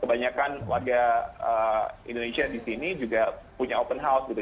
kebanyakan warga indonesia di sini juga punya open house gitu